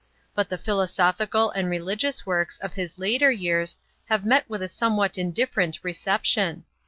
But the philosophical and religious works of his later years have met with a somewhat indifferent reception.